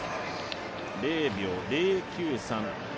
０秒０９３。